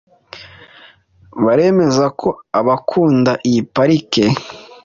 baremeza ko abakunda iyi parike